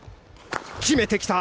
決めてきた！